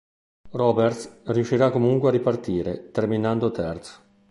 Roberts riuscirà comunque a ripartire, terminando terzo.